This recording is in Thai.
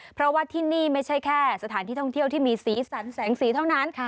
เพราะว่าที่นี่ไม่ใช่แค่สถานที่ท่องเที่ยวที่มีสีสันแสงสีเท่านั้น